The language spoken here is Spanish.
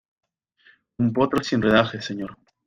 un potro sin rendaje, señor.